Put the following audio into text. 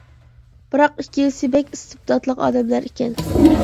بىراق ئىككىلىسى بەك ئىستىبداتلىق ئادەملەر ئىكەن.